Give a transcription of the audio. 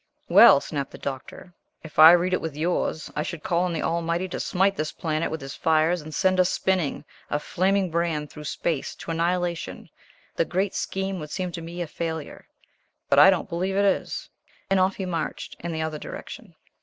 "Well," snapped the Doctor, "if I read it with yours, I should call on the Almighty to smite this planet with his fires and send us spinning, a flaming brand through space, to annihilation the great scheme would seem to me a failure but I don't believe it is." And off he marched in the other direction.